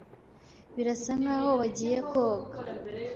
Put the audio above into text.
Birasa nkaho wagiye koga.